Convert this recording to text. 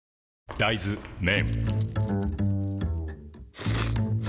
大豆麺